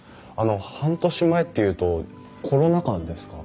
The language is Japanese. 半年前っていうとコロナ禍ですか？